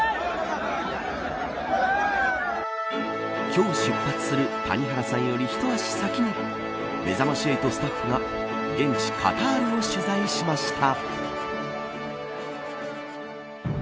今日出発する谷原さんより一足先にめざまし８スタッフが現地、カタールを取材しました。